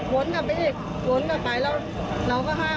จอดอยู่คือจอดอยู่หนูชาย